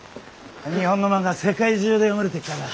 日本の漫画は世界中で読まれてっからな